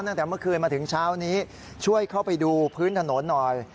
ตั้งแต่เมื่อคืนมาถึงเช้านี้ช่วยเข้าไปดูพื้นถนนหน่อย